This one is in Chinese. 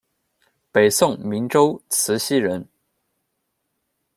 北宋明州慈溪人。